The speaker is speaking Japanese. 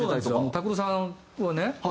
拓郎さんはね